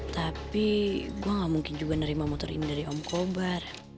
tapi gue gak mungkin juga nerima motor ini dari om kobar